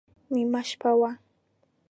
نیمه شپه وه.